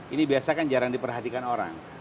ini biasa kan jarang diperhatikan orang